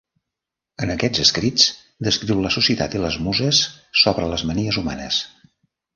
En aquests escrits, descriu la societat i les muses sobre les manies humanes.